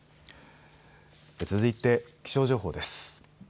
続いて気象情報です。